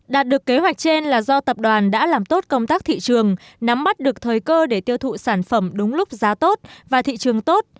đạt được kế hoạch trên là do tập đoàn đã làm tốt công tác thị trường nắm mắt được thời cơ để tiêu thụ sản phẩm đúng lúc giá tốt và thị trường tốt